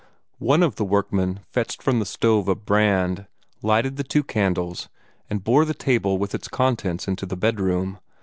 One of the workmen fetched from the stove a brand, lighted the two candles, and bore the table with its contents into the bedroom.